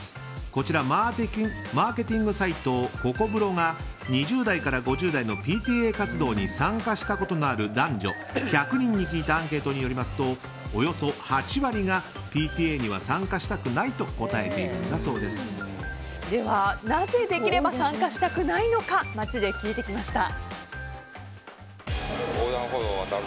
こちら、マーケティングサイトここぶろ。が２０代から５０代のＰＴＡ活動に参加したことのある男女１００人に聞いたアンケートによりますとおよそ８割がＰＴＡには参加したくないとではなぜできれば参加したくないのか街で聞いてきました。